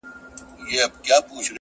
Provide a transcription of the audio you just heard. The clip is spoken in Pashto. د کلي سپی یې، د کلي خان دی.